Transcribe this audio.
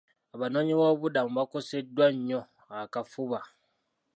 Abanoonyiboobubudamu bakoseddwa nnyo akafuba.